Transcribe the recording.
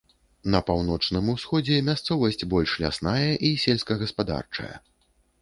На паўночным усходзе мясцовасць больш лясная і сельскагаспадарчая.